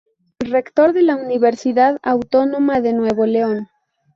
Rector de la Universidad Autónoma de Nuevo León.